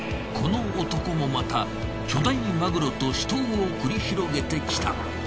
この男もまた巨大マグロと死闘を繰り広げてきた。